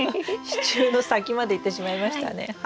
支柱の先までいってしまいましたね。